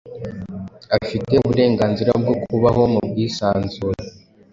afite uburenganzira bwo kubaho mu bwisanzure